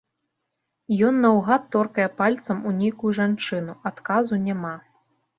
Ён наўгад торкае пальцам у нейкую жанчыну, адказу няма.